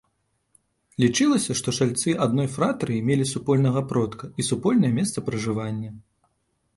Лічылася, што чальцы адной фратрыі мелі супольнага продка і супольнае месца пражывання.